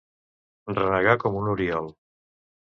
Renegar com un oriol.